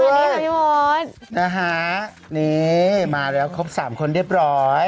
สวัสดีพี่โมชน์นี่มาแล้วครบ๓คนเรียบร้อย